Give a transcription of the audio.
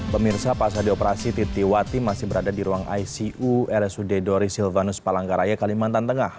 pemirsa pas hari operasi titi wati masih berada di ruang icu rsud dori silvanus palangkaraya kalimantan tengah